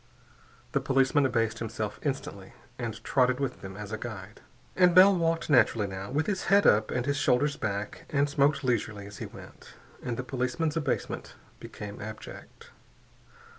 The policeman abased himself instantly and trotted with them as a guide. And Bell walked naturally, now, with his head up and his shoulders back, and smoked leisurely as he went, and the policeman's abasement became abject.